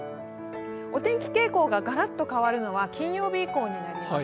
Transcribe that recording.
お天気傾向がガラッと変わるのは金曜日以降になります。